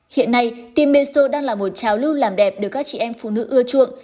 hiện nay tiêm meso đang là một trào lưu làm đẹp được các chị em phụ nữ ưa chuộng